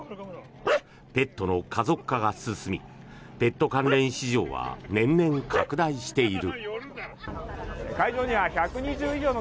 ペットの家族化が進みペット関連市場は年々拡大している。